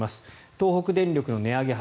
東北電力の値上げ幅